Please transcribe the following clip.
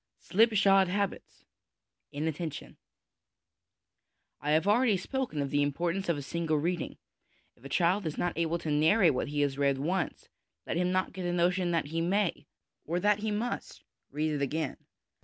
Slipshod Habits; Inattention. I have already spoken of the importance of a single reading. If a child is not able to narrate what he has read once, let him not get the notion that he may, or that he 230 HOME EDUCATION must, read it again.